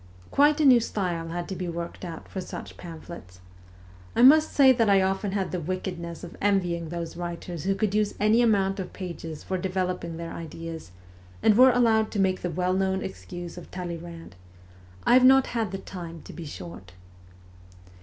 Quite a new style had to be worked out for such pamphlets. I must say that I often had the wickedness of envying those writers who could use any amount of pages for de veloping their ideas, and were allowed to make the well known excuse of Talleyrand :' I have not had the WESTERN EUROPE 233 time to be short.'